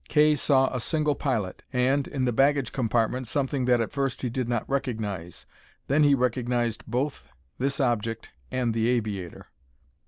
Kay saw a single pilot, and, in the baggage compartment something that at first he did not recognize. Then he recognized both this object and the aviator.